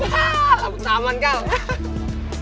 hahaha aku taman kau